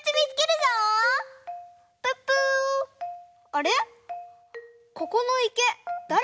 あれ？